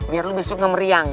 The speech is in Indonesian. biar lu besok gak meriang